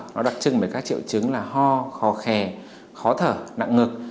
nó đặc trưng với các triệu chứng là ho khó khè khó thở nặng ngực